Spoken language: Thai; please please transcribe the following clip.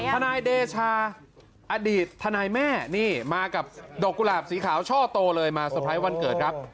ทนายเดชาอดีตทนายแม่นี่มากับดอกกุหลาบสีขาวช่อโตเลยมาเตอร์ไพรส์วันเกิดครับ